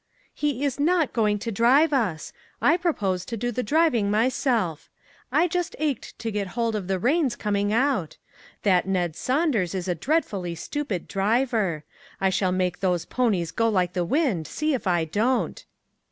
" He is not going to drive us. I propose to do the driving myself. I just ached to get hold of the reins coming out. That Ned Saund ers is a dreadfully stupid driver. I shall make those ponies go like the wind, see if I don't."